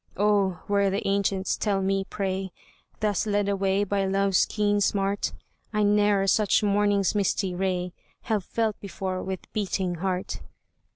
"Oh! were the ancients, tell me pray, Thus led away, by love's keen smart, I ne'er such morning's misty ray Have felt before with beating heart.